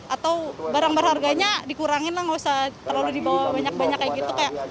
atau barang berharganya dikurangin lah nggak usah terlalu dibawa banyak banyak kayak gitu